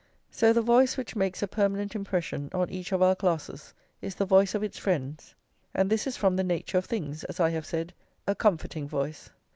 So the voice which makes a permanent impression on each of our classes is the voice of its friends, and this is from the nature of things, as I have said, a comforting voice.